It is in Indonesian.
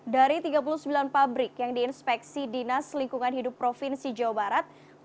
dari tiga puluh sembilan pabrik yang diinspeksi dinas lingkungan hidup provinsi jawa barat